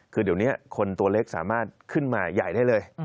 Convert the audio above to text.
คือเดี๋ยวนี้คนตัวเล็กสามารถขึ้นมาใหญ่ได้เลย